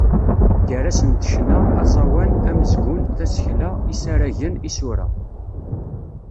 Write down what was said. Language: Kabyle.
Gar-asent ccna, aẓawan, amezgun, tasekla, isaragen, isura.